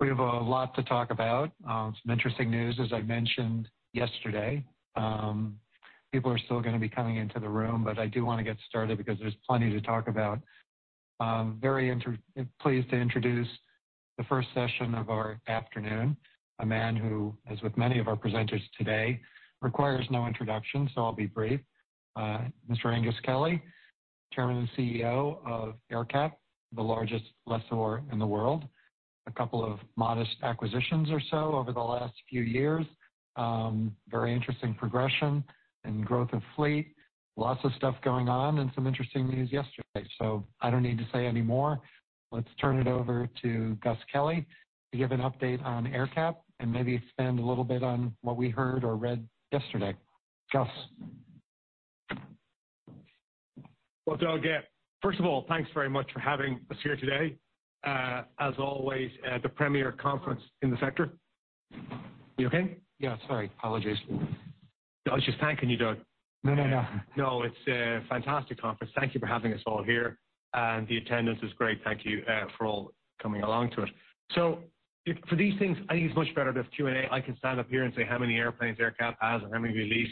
We have a lot to talk about. Some interesting news, as I mentioned yesterday. People are still going to be coming into the room, but I do want to get started because there's plenty to talk about. Very pleased to introduce the first session of our afternoon. A man who, as with many of our presenters today, requires no introduction, so I'll be brief. Mr. Aengus Kelly, Chairman and CEO of AerCap, the largest lessor in the world. A couple of modest acquisitions or so over the last few years. Very interesting progression and growth of fleet. Lots of stuff going on and some interesting news yesterday, so I don't need to say any more. Let's turn it over to Gus Kelly to give an update on AerCap and maybe expand a little bit on what we heard or read yesterday. Gus. Doug, first of all, thanks very much for having us here today. As always, the premier conference in the sector. You okay? Yeah, sorry. Apologies. I was just thanking you, Doug. No, no, no. No, it's a fantastic conference. Thank you for having us all here. The attendance is great. Thank you for all coming along to it. For these things, I think it's much better to have Q&A. I can stand up here and say how many airplanes AerCap has and how many we lease.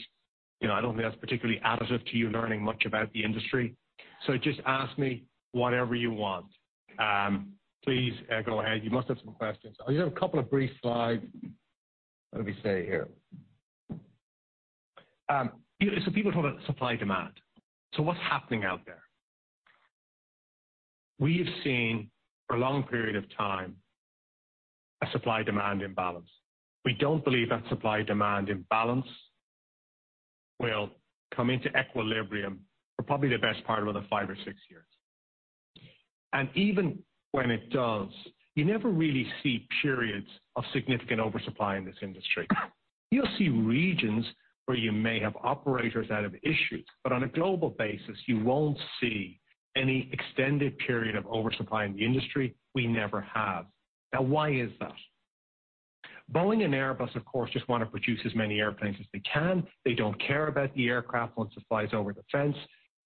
I don't think that's particularly additive to you learning much about the industry. Just ask me whatever you want. Please go ahead. You must have some questions. I'll just have a couple of brief slides. Let me see here. People talk about supply-demand. What's happening out there? We have seen for a long period of time a supply-demand imbalance. We don't believe that supply-demand imbalance will come into equilibrium for probably the best part of the five or six years. Even when it does, you never really see periods of significant oversupply in this industry. You will see regions where you may have operators that have issues, but on a global basis, you will not see any extended period of oversupply in the industry. We never have. Now, why is that? Boeing and Airbus, of course, just want to produce as many airplanes as they can. They do not care about the aircraft once it flies over the fence.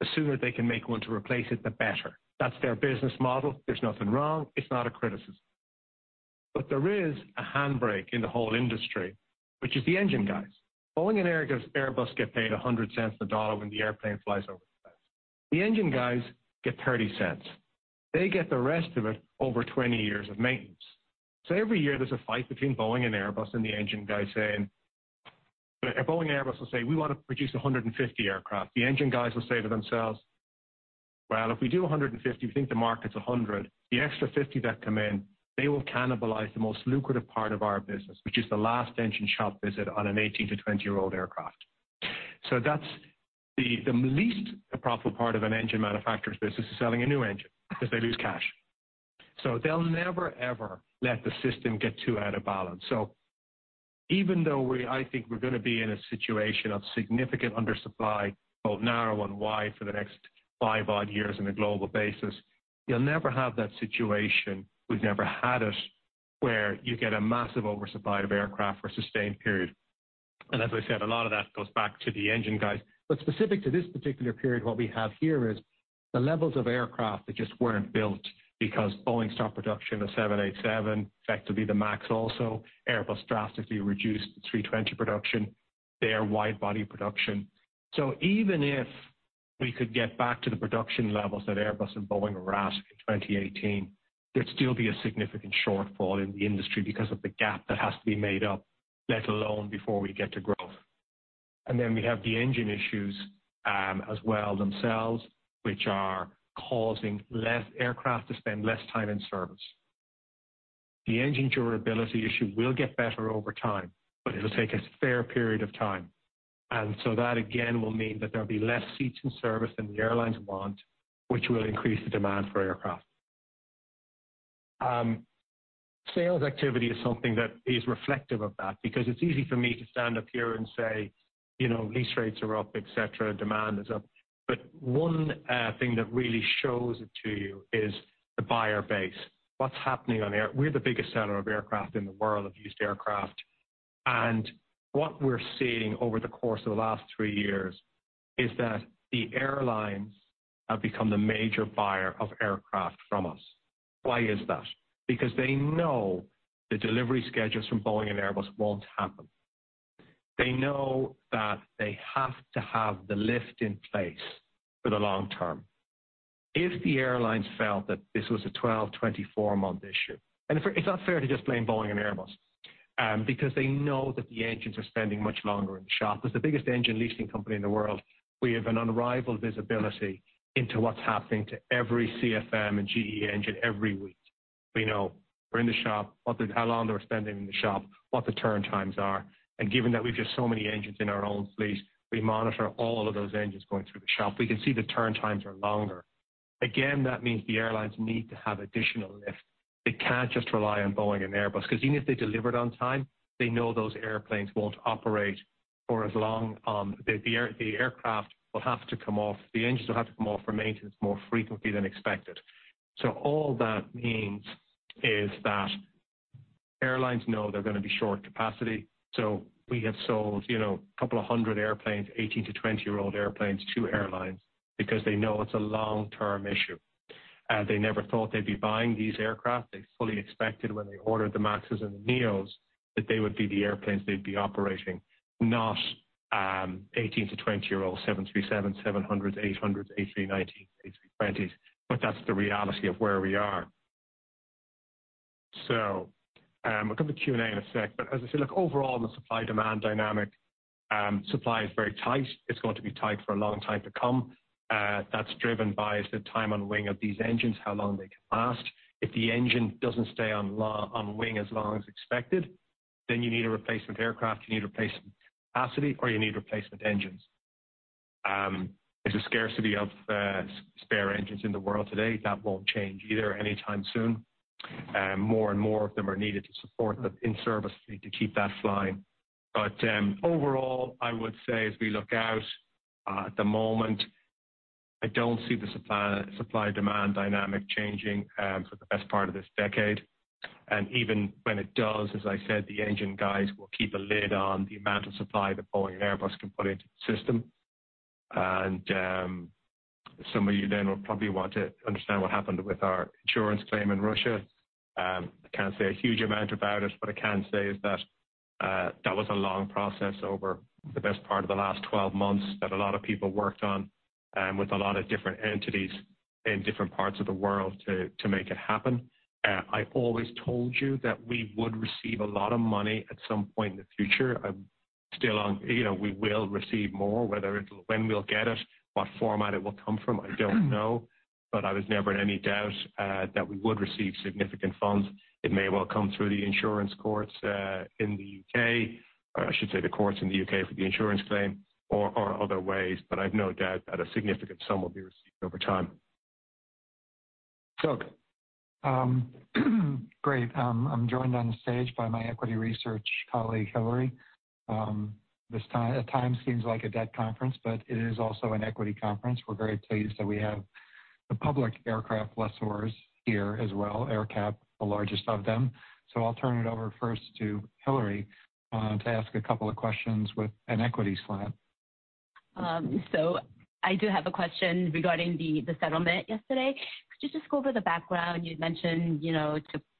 The sooner they can make one to replace it, the better. That is their business model. There is nothing wrong. It is not a criticism. There is a handbrake in the whole industry, which is the engine guys. Boeing and Airbus get paid $1 when the airplane flies over the fence. The engine guys get $0.3. They get the rest of it over 20 years of maintenance. Every year there's a fight between Boeing and Airbus and the engine guy saying Boeing and Airbus will say, "We want to produce 150 aircraft." The engine guys will say to themselves, "If we do 150, we think the market's 100. The extra 50 that come in, they will cannibalize the most lucrative part of our business, which is the last engine shop visit on an 18-20-year-old aircraft." That's the least profitable part of an engine manufacturer's business is selling a new engine because they lose cash. They'll never, ever let the system get too out of balance. Even though I think we're going to be in a situation of significant undersupply, both narrow and wide for the next five, odd years on a global basis, you'll never have that situation. We've never had it where you get a massive oversupply of aircraft for a sustained period. As I said, a lot of that goes back to the engine guys. Specific to this particular period, what we have here is the levels of aircraft that just were not built because Boeing stopped production in 1978, 1977. Effectively, the MAX also. Airbus drastically reduced the A320 production, their wide-body production. Even if we could get back to the production levels that Airbus and Boeing were at in 2018, there would still be a significant shortfall in the industry because of the gap that has to be made up, let alone before we get to growth. We have the engine issues as well themselves, which are causing less aircraft to spend less time in service. The engine durability issue will get better over time, but it'll take a fair period of time. That, again, will mean that there'll be less seats in service than the airlines want, which will increase the demand for aircraft. Sales activity is something that is reflective of that because it's easy for me to stand up here and say, "Lease rates are up," etc., "Demand is up." One thing that really shows it to you is the buyer base. What's happening on the air? We're the biggest seller of aircraft in the world of used aircraft. What we're seeing over the course of the last three years is that the airlines have become the major buyer of aircraft from us. Why is that? Because they know the delivery schedules from Boeing and Airbus won't happen. They know that they have to have the lift in place for the long term. If the airlines felt that this was a 12, 24-month issue—and it's not fair to just blame Boeing and Airbus because they know that the engines are spending much longer in the shop. It's the biggest engine leasing company in the world. We have an unrivaled visibility into what's happening to every CFM and GE engine every week. We know we're in the shop, how long they're spending in the shop, what the turn times are. Given that we've just so many engines in our own fleet, we monitor all of those engines going through the shop. We can see the turn times are longer. That means the airlines need to have additional lift. They can't just rely on Boeing and Airbus because even if they delivered on time, they know those airplanes won't operate for as long. The aircraft will have to come off. The engines will have to come off for maintenance more frequently than expected. All that means is that airlines know they're going to be short capacity. We have sold a couple of hundred airplanes, 18-20-year-old airplanes to airlines because they know it's a long-term issue. They never thought they'd be buying these aircraft. They fully expected when they ordered the MAXs and the NEOs that they would be the airplanes they'd be operating, not 18-20-year-old 737s, 700s, 800s, A319s, A320s. That's the reality of where we are. We'll come to Q&A in a sec. As I said, look, overall, the supply-demand dynamic, supply is very tight. It's going to be tight for a long time to come. That's driven by the time on wing of these engines, how long they can last. If the engine doesn't stay on wing as long as expected, then you need a replacement aircraft. You need replacement capacity, or you need replacement engines. There's a scarcity of spare engines in the world today. That won't change either anytime soon. More and more of them are needed to support the in-service fleet, to keep that flying. Overall, I would say as we look out at the moment, I don't see the supply-demand dynamic changing for the best part of this decade. Even when it does, as I said, the engine guys will keep a lid on the amount of supply that Boeing and Airbus can put into the system. Some of you then will probably want to understand what happened with our insurance claim in Russia. I can't say a huge amount about it, but what I can say is that that was a long process over the best part of the last 12 months that a lot of people worked on with a lot of different entities in different parts of the world to make it happen. I always told you that we would receive a lot of money at some point in the future. Still, we will receive more, whether it's when we'll get it, what format it will come from, I don't know. I was never in any doubt that we would receive significant funds. It may well come through the insurance courts in the U.K., or I should say the courts in the U.K. for the insurance claim or other ways. I have no doubt that a significant sum will be received over time. Doug. Great. I'm joined on stage by my equity research colleague, Hillary. This time seems like a debt conference, but it is also an equity conference. We're very pleased that we have the public aircraft lessors here as well, AerCap, the largest of them. I'll turn it over first to Hillary to ask a couple of questions with an equity slant. I do have a question regarding the settlement yesterday. Could you just go over the background? You'd mentioned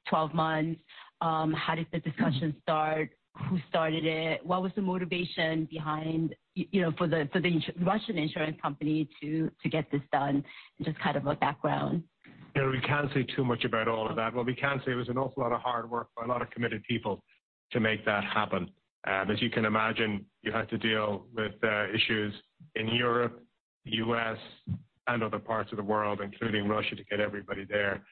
12 months. How did the discussion start? Who started it? What was the motivation behind for the Russian insurance company to get this done? Just kind of a background. Yeah, we can't say too much about all of that. What we can say was an awful lot of hard work by a lot of committed people to make that happen. As you can imagine, you have to deal with issues in Europe, the U.S., and other parts of the world, including Russia, to get everybody there.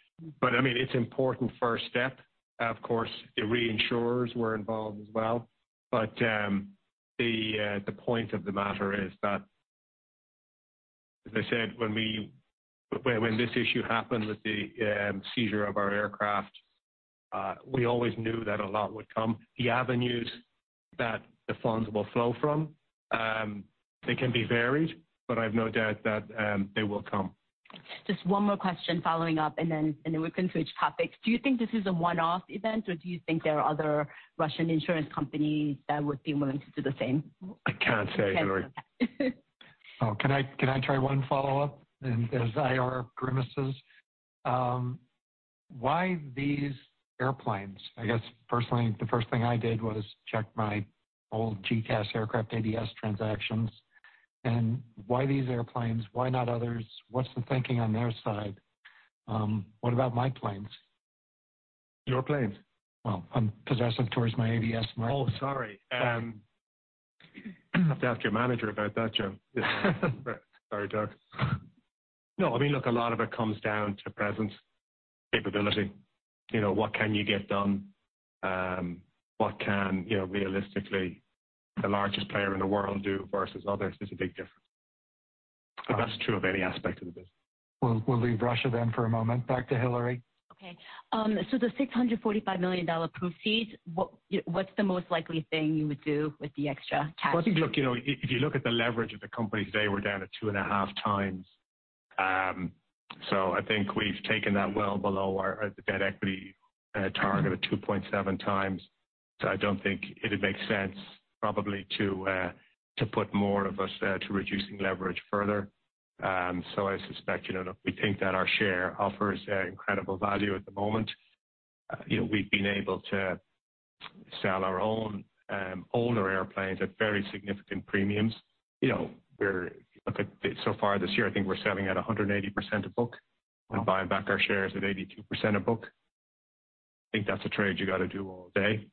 I mean, it's an important first step. Of course, the reinsurers were involved as well. The point of the matter is that, as I said, when this issue happened with the seizure of our aircraft, we always knew that a lot would come. The avenues that the funds will flow from, they can be varied, but I have no doubt that they will come. Just one more question following up, and then we can switch topics. Do you think this is a one-off event, or do you think there are other Russian insurance companies that would be willing to do the same? I can't say, Hillary. Oh, can I try one follow-up? As IR Grimace says, why these airplanes? I guess, personally, the first thing I did was check my old GECAS AerCap ABS transactions. Why these airplanes? Why not others? What's the thinking on their side? What about my planes? Your planes? I'm possessive towards my ABS market. Oh, sorry. I have to ask your manager about that, Joe. Sorry, Doug.No, I mean, look, a lot of it comes down to presence, capability. What can you get done? What can realistically the largest player in the world do versus others? There is a big difference. That is true of any aspect of the business. We'll leave Russia then for a moment. Back to Hillary. Okay. The $645 million proceeds, what's the most likely thing you would do with the extra cash? I think, look, if you look at the leverage of the company today, we're down to two and a half times. I think we've taken that well below the debt equity target of 2.7 times. I don't think it would make sense probably to put more of us to reducing leverage further. I suspect we think that our share offers incredible value at the moment. We've been able to sell our own older airplanes at very significant premiums. So far this year, I think we're selling at 180% of book and buying back our shares at 82% of book. I think that's a trade you got to do all day.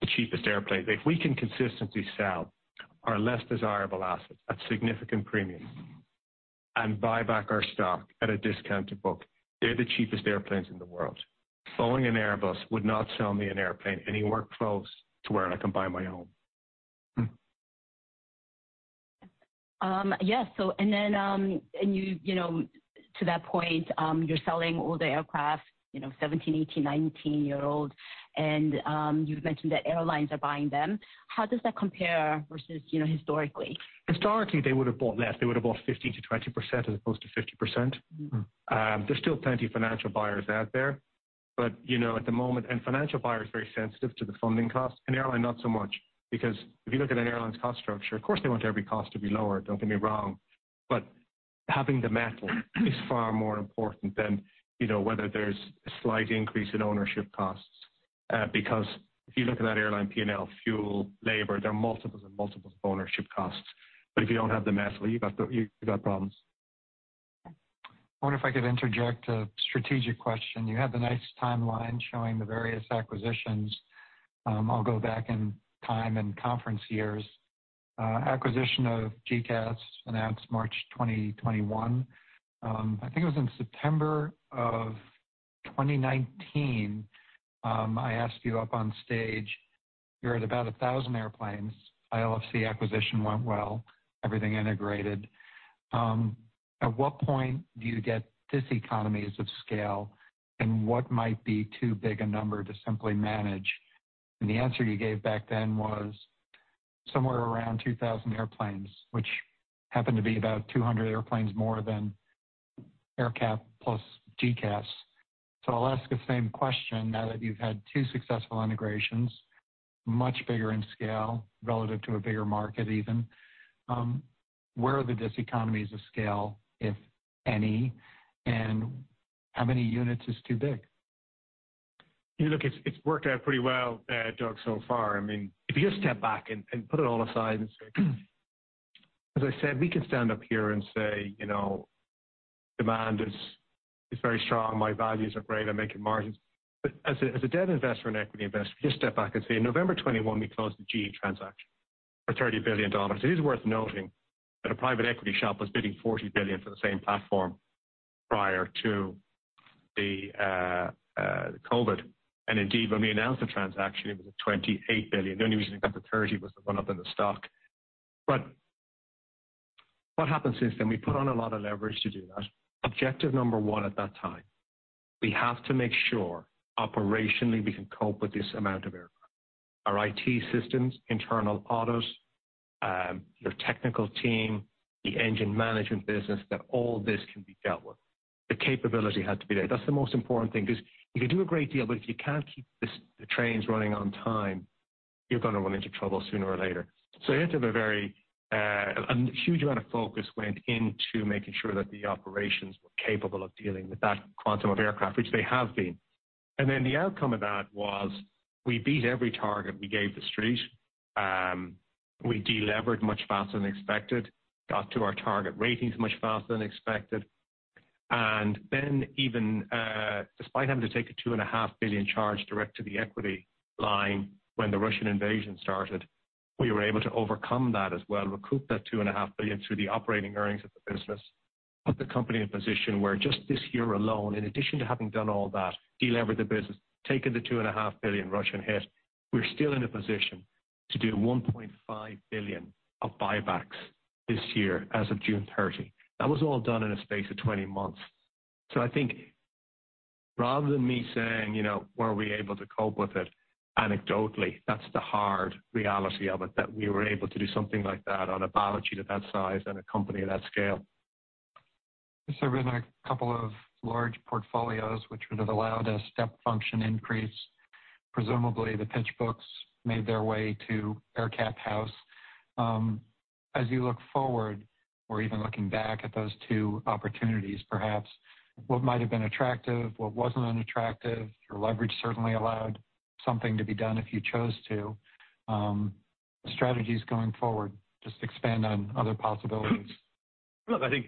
The cheapest airplanes, if we can consistently sell our less desirable assets at significant premiums and buy back our stock at a discounted book, they're the cheapest airplanes in the world. Boeing and Airbus would not sell me an airplane any more close to where I can buy my own. Yeah. To that point, you're selling older aircraft, 17, 18, 19-year-old. You've mentioned that airlines are buying them. How does that compare versus historically? Historically, they would have bought less. They would have bought 15%-20% as opposed to 50%. There's still plenty of financial buyers out there. At the moment, financial buyers are very sensitive to the funding cost. An airline, not so much. If you look at an airline's cost structure, of course, they want every cost to be lower, do not get me wrong. Having the metals is far more important than whether there's a slight increase in ownership costs. If you look at that airline P&L, fuel, labor, there are multiples and multiples of ownership costs. If you do not have the metal, you have got problems. I wonder if I could interject a strategic question. You have a nice timeline showing the various acquisitions. I'll go back in time and conference years. Acquisition of GECAS announced March 2021. I think it was in September of 2019. I asked you up on stage. You're at about 1,000 airplanes. ILFC acquisition went well. Everything integrated. At what point do you get this economies of scale and what might be too big a number to simply manage? The answer you gave back then was somewhere around 2,000 airplanes, which happened to be about 200 airplanes more than AerCap plus GECAS. I will ask the same question. Now that you've had two successful integrations, much bigger in scale relative to a bigger market even, where are the diseconomies of scale, if any, and how many units is too big? Look, it's worked out pretty well, Doug, so far. I mean, if you just step back and put it all aside and say, as I said, we can stand up here and say demand is very strong. My values are great. I'm making margins. But as a debt investor and equity investor, just step back and say, in November 2021, we closed a GE transaction for $30 billion. It is worth noting that a private equity shop was bidding $40 billion for the same platform prior to the COVID. And indeed, when we announced the transaction, it was at $28 billion. The only reason it got to $30 billion was the run-up in the stock. But what happened since then? We put on a lot of leverage to do that. Objective number one at that time, we have to make sure operationally we can cope with this amount of aircraft. Our IT systems, internal autos, your technical team, the engine management business, that all this can be dealt with. The capability had to be there. That's the most important thing because you can do a great deal, but if you can't keep the trains running on time, you're going to run into trouble sooner or later. A huge amount of focus went into making sure that the operations were capable of dealing with that quantum of aircraft, which they have been. The outcome of that was we beat every target we gave the street. We delivered much faster than expected, got to our target ratings much faster than expected. Even despite having to take a $2.5 billion charge direct to the equity line when the Russian invasion started, we were able to overcome that as well, recoup that $2.5 billion through the operating earnings of the business, put the company in a position where just this year alone, in addition to having done all that, delivered the business, taken the $2.5 billion Russian hit, we are still in a position to do $1.5 billion of buybacks this year as of June 30. That was all done in a space of 20 months. I think rather than me saying, "Were we able to cope with it?" anecdotally, that is the hard reality of it, that we were able to do something like that on a balance sheet of that size and a company of that scale. There's certainly been a couple of large portfolios which would have allowed a step function increase. Presumably, the pitch books made their way to AerCap House. As you look forward, or even looking back at those two opportunities, perhaps, what might have been attractive, what wasn't unattractive? Your leverage certainly allowed something to be done if you chose to. Strategies going forward, just expand on other possibilities. Look, I think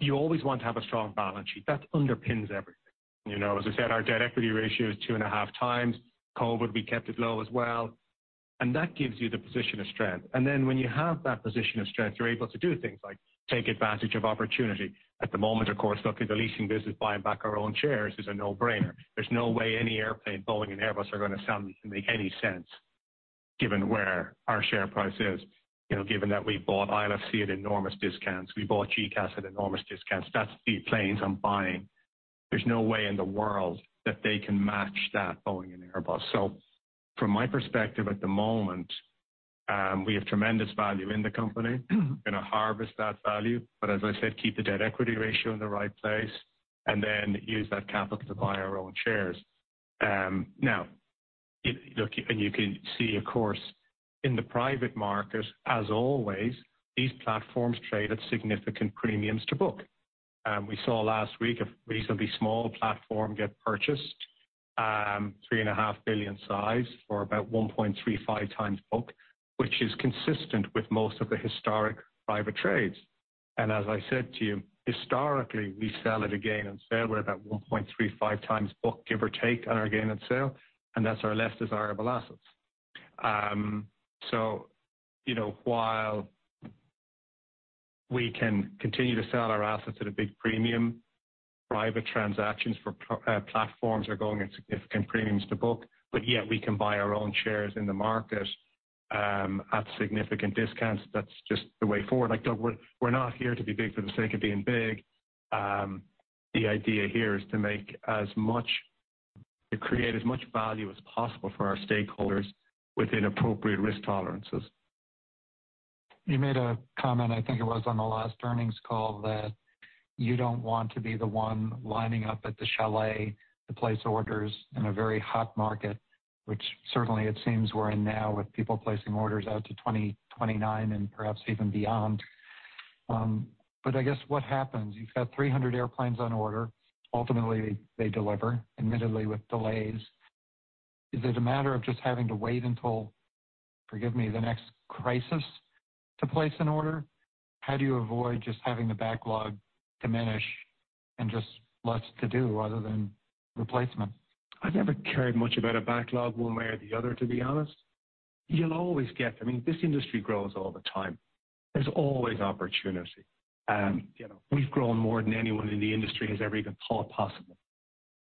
you always want to have a strong balance sheet. That underpins everything. As I said, our debt equity ratio is two and a half times. COVID, we kept it low as well. That gives you the position of strength. When you have that position of strength, you're able to do things like take advantage of opportunity. At the moment, of course, look at the leasing business, buying back our own shares is a no-brainer. There's no way any airplane, Boeing and Airbus are going to sound to make any sense given where our share price is. Given that we bought ILFC at enormous discounts, we bought GECAS at enormous discounts. That's the planes I'm buying. There's no way in the world that they can match that Boeing and Airbus. From my perspective at the moment, we have tremendous value in the company. We're going to harvest that value. As I said, keep the debt equity ratio in the right place and then use that capital to buy our own shares. Now, look, you can see, of course, in the private market, as always, these platforms trade at significant premiums to book. We saw last week a reasonably small platform get purchased, $3.5 billion size for about 1.35 times book, which is consistent with most of the historic private trades. As I said to you, historically, we sell at a gain and sell. We're about 1.35 times book, give or take, on our gain and sale. That's our less desirable assets. While we can continue to sell our assets at a big premium, private transactions for platforms are going at significant premiums to book. Yet, we can buy our own shares in the market at significant discounts. That is just the way forward. Doug, we are not here to be big for the sake of being big. The idea here is to create as much value as possible for our stakeholders within appropriate risk tolerances. You made a comment, I think it was on the last earnings call, that you do not want to be the one lining up at the chalet to place orders in a very hot market, which certainly it seems we are in now with people placing orders out to 2029 and perhaps even beyond. I guess what happens? You have got 300 airplanes on order. Ultimately, they deliver, admittedly with delays. Is it a matter of just having to wait until, forgive me, the next crisis to place an order? How do you avoid just having the backlog diminish and just less to do other than replacement? I've never cared much about a backlog one way or the other, to be honest. You'll always get—I mean, this industry grows all the time. There's always opportunity. We've grown more than anyone in the industry has ever even thought possible.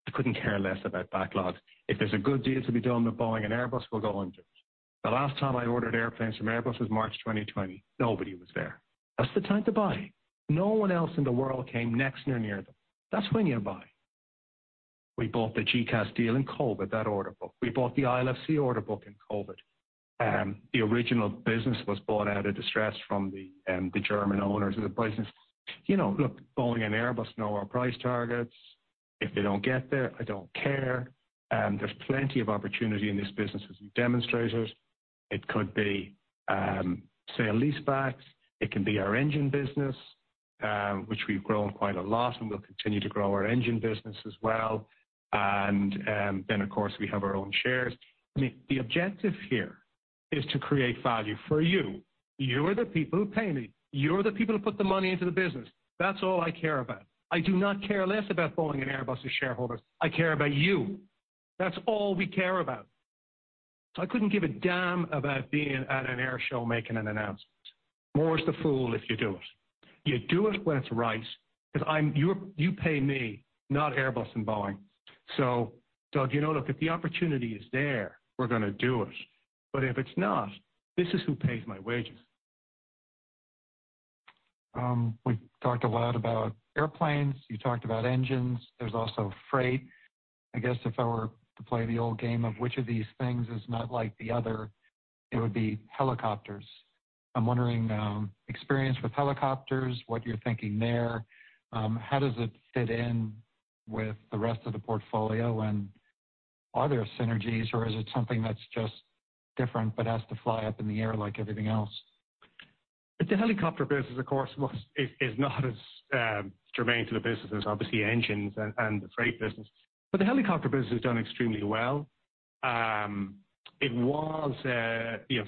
I couldn't care less about backlogs. If there's a good deal to be done with Boeing and Airbus, we'll go and do it. The last time I ordered airplanes from Airbus was March 2020. Nobody was there. That's the time to buy. No one else in the world came next or near them. That's when you buy. We bought the GECAS deal in COVID, that order book. We bought the ILFC order book in COVID. The original business was bought out of distress from the German owners of the business. Look, Boeing and Airbus know our price targets. If they don't get there, I don't care. There's plenty of opportunity in this business, as you've demonstrated. It could be, say, a lease back. It can be our engine business, which we've grown quite a lot and we'll continue to grow our engine business as well. I mean, the objective here is to create value for you. You are the people who paint it. You are the people who put the money into the business. That's all I care about. I do not care less about Boeing and Airbus as shareholders. I care about you. That's all we care about. I couldn't give a damn about being at an air show making an announcement. More is the fool if you do it. You do it when it's right. You pay me, not Airbus and Boeing. Doug, look, if the opportunity is there, we're going to do it. If it's not, this is who pays my wages. We talked a lot about airplanes. You talked about engines. There is also freight. I guess if I were to play the old game of which of these things is not like the other, it would be helicopters. I am wondering, experience with helicopters, what you are thinking there. How does it fit in with the rest of the portfolio? Are there synergies or is it something that is just different but has to fly up in the air like everything else? The helicopter business, of course, is not as germane to the business as obviously engines and the freight business. The helicopter business has done extremely well. It was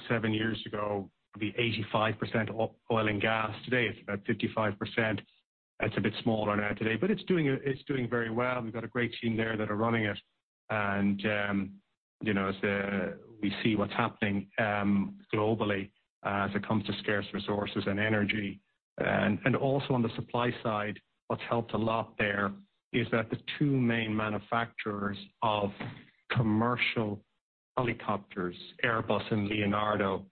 seven years ago, probably 85% oil and gas. Today, it's about 55%. It's a bit smaller now today. It is doing very well. We've got a great team there that are running it. As we see what's happening globally as it comes to scarce resources and energy. Also on the supply side, what's helped a lot there is that the two main manufacturers of commercial helicopters, Airbus and Leonardo,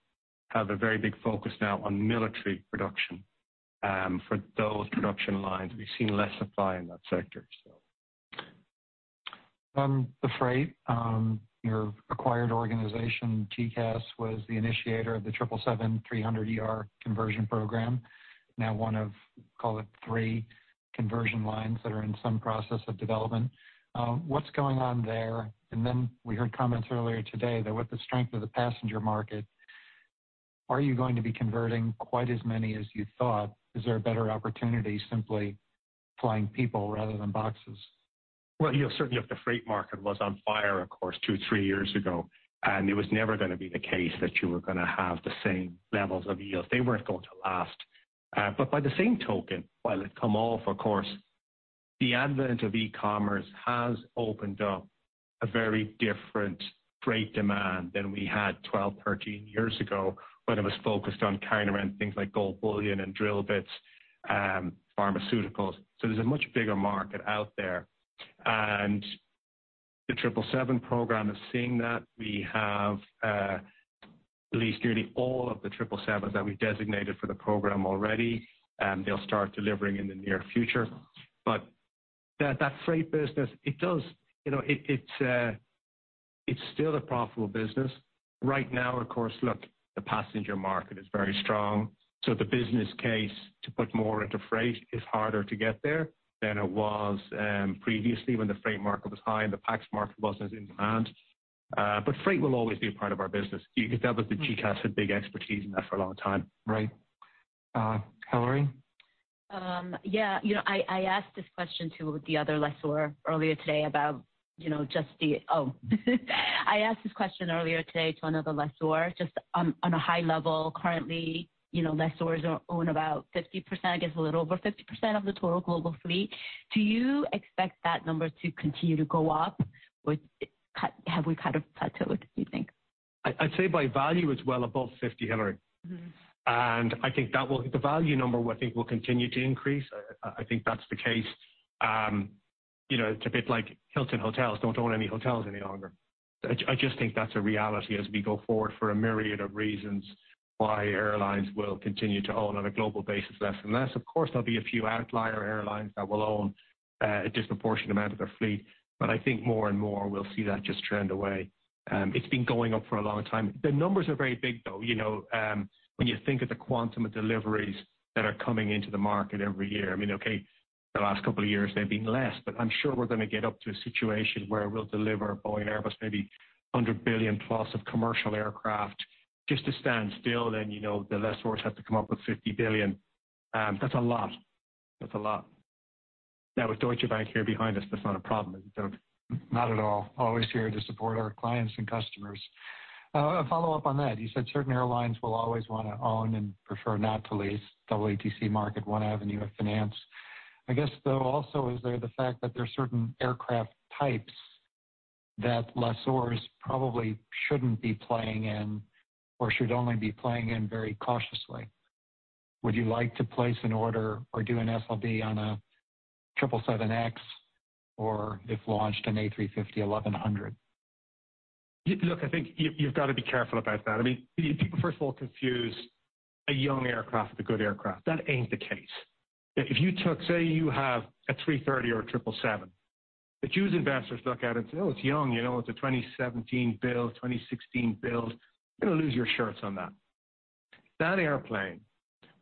have a very big focus now on military production for those production lines. We've seen less supply in that sector. On the freight, your acquired organization, GECAS, was the initiator of the 777-300ER conversion program, now one of, call it, three conversion lines that are in some process of development. What's going on there? We heard comments earlier today that with the strength of the passenger market, are you going to be converting quite as many as you thought? Is there a better opportunity simply flying people rather than boxes? Certainly, if the freight market was on fire, of course, two or three years ago, it was never going to be the case that you were going to have the same levels of yields. They were not going to last. By the same token, while it has come off, of course, the advent of e-commerce has opened up a very different freight demand than we had 12, 13 years ago when it was focused on countermeasures, things like gold bullion and drill bits, pharmaceuticals. There is a much bigger market out there. The 777 program is seeing that. We have at least nearly all of the 777s that we have designated for the program already. They will start delivering in the near future. That freight business is still a profitable business. Right now, of course, look, the passenger market is very strong. The business case to put more into freight is harder to get there than it was previously when the freight market was high and the PAX market was not in demand. Freight will always be a part of our business. You could tell that the GECAS had big expertise in that for a long time. Right. Hillary? Yeah. I asked this question earlier today to another lessor. Just on a high level, currently, lessors own about 50%, I guess a little over 50% of the total global fleet. Do you expect that number to continue to go up? Have we kind of plateaued, do you think? I'd say by value, it's well above 50%, Hillary. I think that will—the value number, I think, will continue to increase. I think that's the case. It's a bit like Hilton Hotels don't own any hotels any longer. I just think that's a reality as we go forward for a myriad of reasons why airlines will continue to own on a global basis less and less. Of course, there'll be a few outlier airlines that will own a disproportionate amount of their fleet. I think more and more we'll see that just trend away. It's been going up for a long time. The numbers are very big, though. When you think of the quantum of deliveries that are coming into the market every year, I mean, okay, the last couple of years, they've been less. I'm sure we're going to get up to a situation where we'll deliver Boeing and Airbus maybe $100 billion plus of commercial aircraft. Just to stand still, then the lessors have to come up with $50 billion. That's a lot. That's a lot. Now, with Deutsche Bank here behind us, that's not a problem, is it, Doug? Not at all. Always here to support our clients and customers. A follow-up on that. You said certain airlines will always want to own and prefer not to lease. Double ATC market, one avenue of finance. I guess, though, also, is there the fact that there are certain aircraft types that lessors probably should not be playing in or should only be playing in very cautiously? Would you like to place an order or do an SLB on a 777X or if launched an A350-1100? Look, I think you've got to be careful about that. I mean, people, first of all, confuse a young aircraft with a good aircraft. That ain't the case. If you took—say you have an A330 or a 777, the Jewish investors look at it and say, "Oh, it's young. It's a 2017 build, 2016 build." You're going to lose your shirts on that. That airplane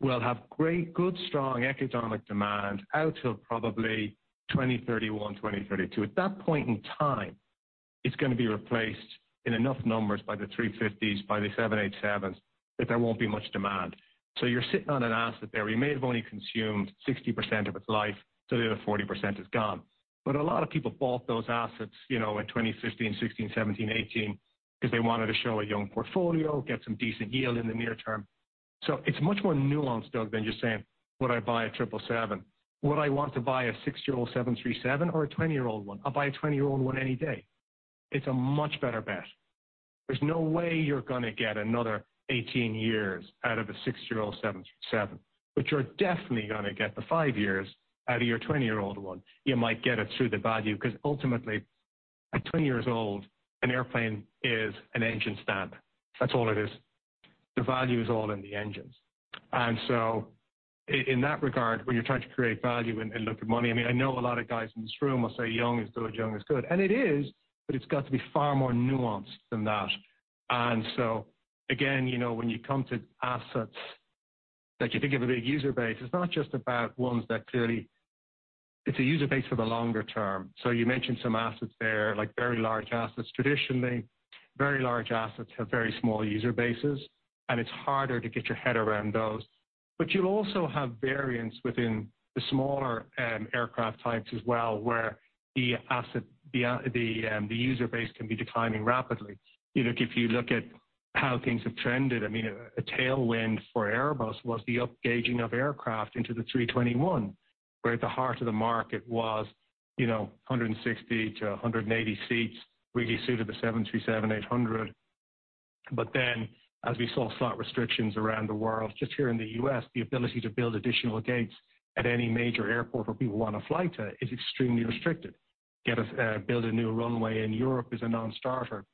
will have great, good, strong economic demand out till probably 2031, 2032. At that point in time, it's going to be replaced in enough numbers by the A350s, by the 787s that there won't be much demand. You are sitting on an asset there. You may have only consumed 60% of its life, so the other 40% is gone. A lot of people bought those assets in 2015, 2016, 2017, 2018 because they wanted to show a young portfolio, get some decent yield in the near term. It is much more nuanced, Doug, than just saying, "Would I buy a 777? Would I want to buy a 6-year-old 737 or a 20-year-old one?" I'll buy a 20-year-old one any day. It is a much better bet. There is no way you are going to get another 18 years out of a 6-year-old 737. You are definitely going to get the 5 years out of your 20-year-old one. You might get it through the value because, ultimately, at 20 years old, an airplane is an engine stamp. That is all it is. The value is all in the engines. In that regard, when you're trying to create value and look at money, I mean, I know a lot of guys in this room will say, "Young is good. Young is good." It is, but it's got to be far more nuanced than that. Again, when you come to assets that you think of a big user base, it's not just about ones that clearly—it's a user base for the longer term. You mentioned some assets there, like very large assets. Traditionally, very large assets have very small user bases, and it's harder to get your head around those. You'll also have variance within the smaller aircraft types as well where the user base can be declining rapidly. If you look at how things have trended, I mean, a tailwind for Airbus was the upgazing of aircraft into the 321, where the heart of the market was 160 to 180 seats, really suited the 737-800. As we saw flight restrictions around the world, just here in the U.S., the ability to build additional gates at any major airport where people want to fly to is extremely restricted. Build a new runway in Europe is a non-starter.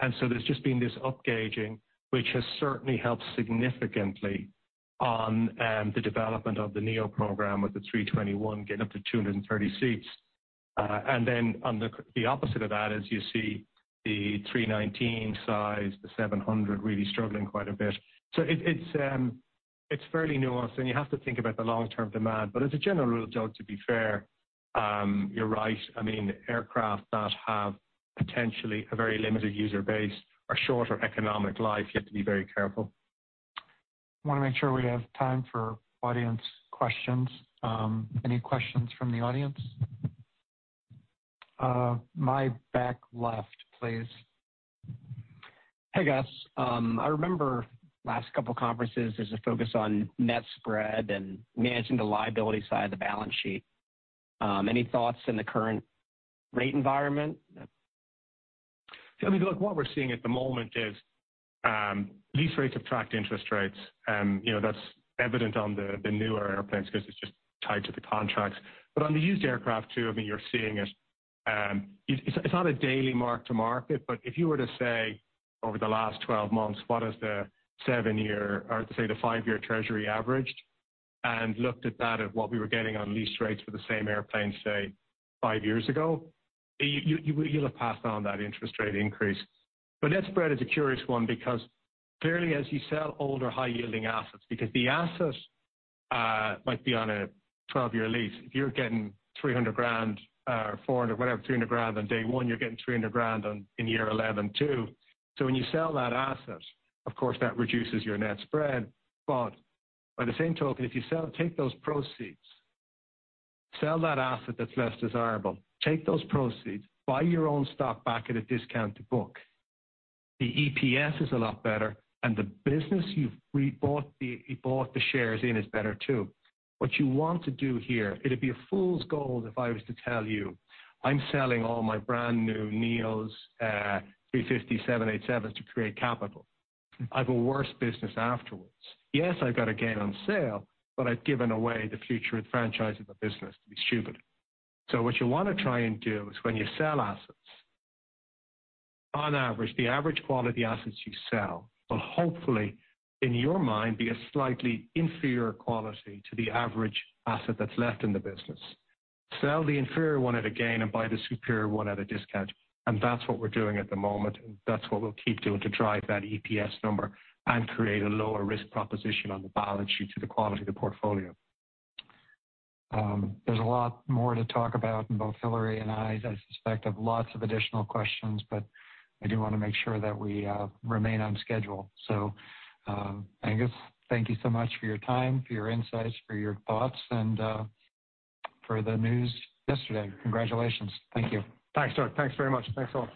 There has just been this upgazing, which has certainly helped significantly on the development of the Neo program with the 321 getting up to 230 seats. On the opposite of that, as you see, the 319 size, the 700, really struggling quite a bit. It is fairly nuanced, and you have to think about the long-term demand. As a general rule, Doug, to be fair, you're right. I mean, aircraft that have potentially a very limited user base or shorter economic life, you have to be very careful. I want to make sure we have time for audience questions. Any questions from the audience? My back left, please. Hey, guys. I remember last couple of conferences there's a focus on net spread and managing the liability side of the balance sheet. Any thoughts in the current rate environment? I mean, look, what we're seeing at the moment is lease rates have tracked interest rates. That's evident on the newer airplanes because it's just tied to the contracts. On the used aircraft too, I mean, you're seeing it. It's not a daily mark-to-market, but if you were to say, over the last 12 months, what has the 7-year or, to say, the 5-year treasury averaged and looked at that of what we were getting on lease rates for the same airplane, say, 5 years ago, you'll have passed on that interest rate increase. Net spread is a curious one because, clearly, as you sell older high-yielding assets, because the asset might be on a 12-year lease, if you're getting $300,000 or $400,000, whatever, $300,000 on day one, you're getting $300,000 in year 11 too. When you sell that asset, of course, that reduces your net spread. By the same token, if you take those proceeds, sell that asset that's less desirable, take those proceeds, buy your own stock back at a discount to book, the EPS is a lot better, and the business you bought the shares in is better too. What you want to do here, it'd be a fool's goal if I was to tell you, "I'm selling all my brand new Neos 350-787s to create capital." I have a worse business afterwards. Yes, I've got a gain on sale, but I've given away the future and franchise of the business to be stupid. What you want to try and do is, when you sell assets, on average, the average quality assets you sell will hopefully, in your mind, be a slightly inferior quality to the average asset that's left in the business. Sell the inferior one at a gain and buy the superior one at a discount. That's what we're doing at the moment, and that's what we'll keep doing to drive that EPS number and create a lower risk proposition on the balance sheet to the quality of the portfolio. is a lot more to talk about, and both Hillary and I, I suspect, have lots of additional questions. I do want to make sure that we remain on schedule. I guess thank you so much for your time, for your insights, for your thoughts, and for the news yesterday. Congratulations. Thank you. Thanks, Doug. Thanks very much. Thanks a lot.